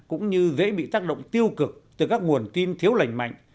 cũng như dễ bị tác động tiêu cực từ các nguồn tin thiếu lành mạnh